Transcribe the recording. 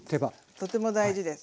とても大事です。